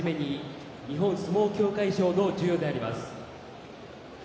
はじめに日本相撲協会賞の授与であります。